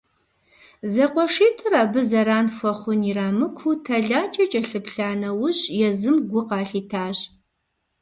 Зэкъуэшитӏыр абы зэран хуэхъун ирамыкуу тэлайкӏэ кӏэлъыплъа нэужь, езым гу къалъитащ.